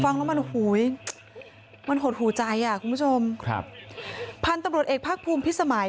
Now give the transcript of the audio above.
ฟังแล้วมันหูยมันหดหูใจอ่ะคุณผู้ชมครับพันธุ์ตำรวจเอกภาคภูมิพิสมัย